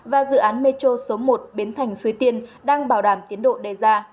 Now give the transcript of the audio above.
và dự án metro số một biến thành suối tiên đang bảo đảm tiến độ đề ra